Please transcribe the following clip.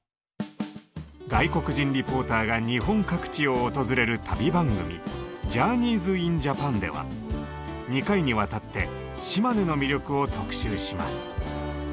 外国人リポーターが日本各地を訪れる旅番組「ＪｏｕｒｎｅｙｓｉｎＪａｐａｎ」では２回にわたって島根の魅力を特集します。